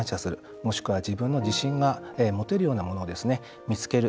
もしくは、自分の自信が持てるようなものを見つける。